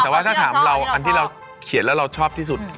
แต่ว่าถ้าถามเราอันที่เราเขียนแล้วเราชอบที่สุด